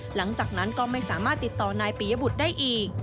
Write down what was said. หลังจากนั้นก็ไม่สามารถติดต่อนายปียบุตรได้อีก